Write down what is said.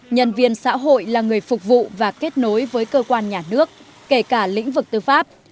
nhân viên xã hội là người phục vụ và kết nối với cơ quan nhà nước kể cả lĩnh vực tư pháp